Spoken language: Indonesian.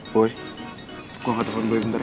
boy gua ngga telfon boleh bentar ya